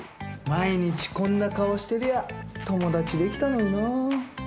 毎日こんな顔してりゃ友達できたのにな。